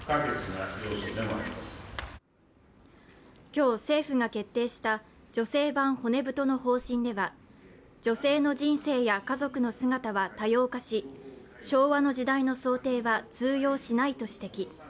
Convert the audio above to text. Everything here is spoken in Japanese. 今日政府が発表した女性版骨太の方針では女性の人生や家族の姿は多様化し昭和の時代の想定は通用しないと指摘。